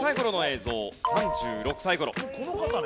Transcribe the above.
この方ね。